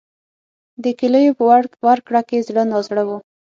د کیلیو په ورکړه کې زړه نازړه و.